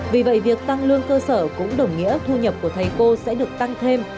vì vậy việc tăng lương cơ sở cũng đồng nghĩa thu nhập của thầy cô sẽ được tăng thêm